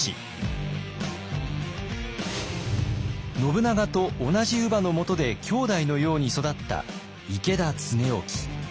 信長と同じ乳母のもとで兄弟のように育った池田恒興。